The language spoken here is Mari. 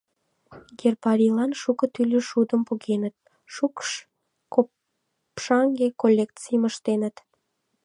Гербарийлан шуко тӱрлӧ шудым погеныт, шукш-копшаҥге коллекцийым ыштеныт.